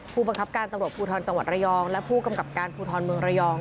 ผู้บังคับการตำรวจภูทรจังหวัดระยองและผู้กำกับการภูทรเมืองระยอง